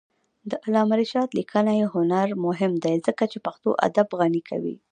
د علامه رشاد لیکنی هنر مهم دی ځکه چې پښتو ادب غني کوي.